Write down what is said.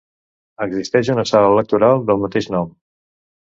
Existeix una sala electoral del mateix nom.